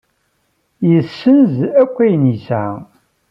Yessenz akk ayen yesɛa.